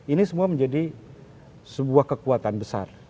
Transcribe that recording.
ini semua menjadi sebuah kekuatan besar